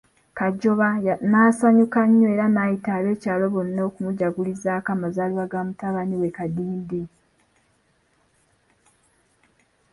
Kajoba n'asanyuka nnyo era nayita ab'ekyalo bonna okumujagulizako amazaalibwa g'amutabani we Kadiidi.